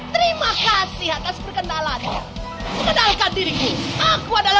terima kasih atas perkenalan kenalkan diriku aku adalah